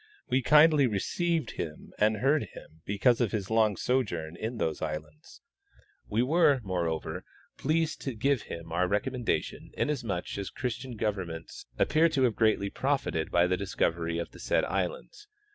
We kindly received him and heard him because of his long sojourn in those islands. We were, moreover, pleased to give him our recommendation, inasmuch as Christian govern ments appear to have greatly profited by the discovery of the said islands.